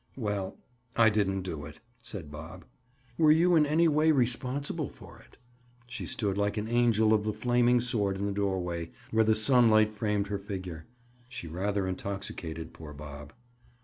"Well, I didn't do it," said Bob. "Were you in any way responsible for it?" She stood like an angel of the flaming sword in the doorway, where the sunlight framed her figure. She rather intoxicated poor Bob.